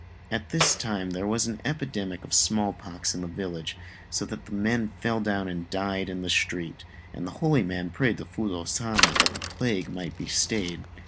At this time there was an epidemic of small pox in the village, so that men fell down and died in the street, and the holy man prayed to Fudô Sama that the plague might be stayed.